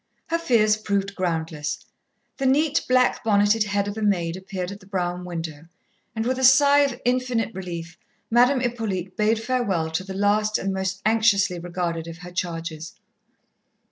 Her fears proved groundless. The neat, black bonneted head of a maid appeared at the brougham window, and with a sigh of infinite relief Madame Hippolyte bade farewell to the last and most anxiously regarded of her charges.